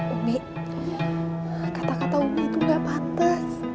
umi kata kata umi itu nggak patas